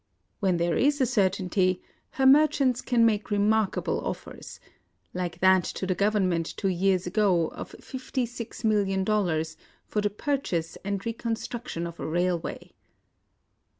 When there is a certainty, her merchants can make remarkable offers, — like that to the government two years ago of ^56,000,000 for the purchase and reconstruc tion of a railway.